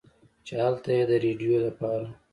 چې هلته ئې د رېډيو دپاره